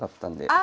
あ！